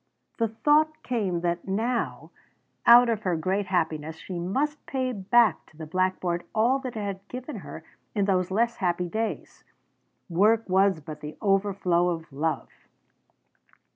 The thought came that now, out of her great happiness, she must pay back to the blackboard all that it had given her in those less happy days. Work was but the overflow of love!